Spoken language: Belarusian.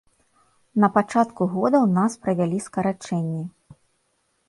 На пачатку года ў нас правялі скарачэнне.